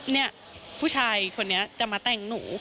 เนี่ยผู้ชายคนนี้จะมาแต่งหนู